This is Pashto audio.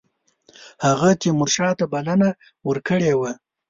هغه تیمورشاه ته بلنه ورکړې وه.